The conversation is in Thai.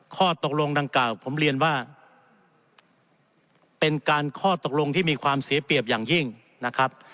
ข้อตกลงดังกล่าวผมเรียนว่าเป็นการข้อตกลงที่มีความเสียเปรียบอย่างยิ่งนะครับ